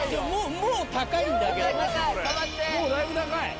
・・もうだいぶ高い！